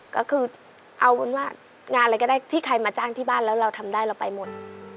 ก็คือเอาเป็นว่างานอะไรก็ได้ที่ใครมาจ้างที่บ้านแล้วเราทำได้เราไปหมด